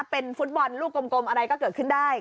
เป็นฟุตบอลลูกกลมอะไรก็เกิดขึ้นได้